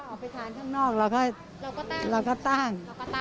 ออกไปทานข้างนอกเราก็ตั้ง